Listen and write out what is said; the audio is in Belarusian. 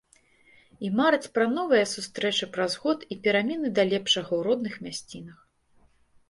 І мараць пра новыя сустрэчы праз год і перамены да лепшага ў родных мясцінах.